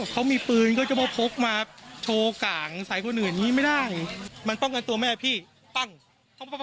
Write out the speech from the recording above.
เขามีปืนก็จะมาพกมาโทรก่างใส่คนอื่นงั้นมันไม่ได้